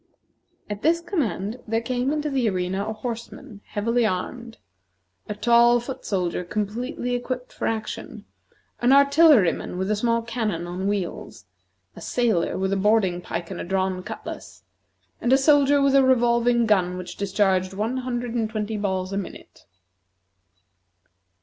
At this command there came into the arena a horseman heavily armed, a tall foot soldier completely equipped for action, an artilleryman with a small cannon on wheels, a sailor with a boarding pike and a drawn cutlass, and a soldier with a revolving gun which discharged one hundred and twenty balls a minute.